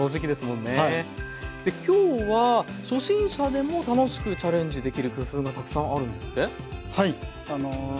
今日は初心者でも楽しくチャレンジできる工夫がたくさんあるんですって？